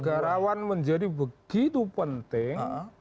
negarawan menjadi begitu penting